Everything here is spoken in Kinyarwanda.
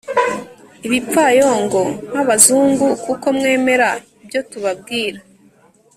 ibipfayongo nk'abazungu, kuko mwemera ibyo tubabwira